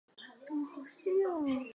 无穷小量的概念是否严格呢？